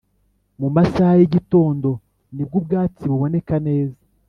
Mumasaha yi igitondo nibwo ubwatsi buboneka neza